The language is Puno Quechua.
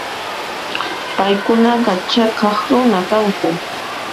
Paykunaqa chhiqaq runa kanku.